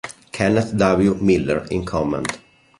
Kenneth W. Miller in command.